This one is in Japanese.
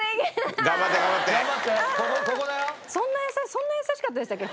そんな優しかったでしたっけ？